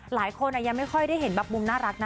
หลายคนละยังไม่ได้เห็นบักมุมน่ารัก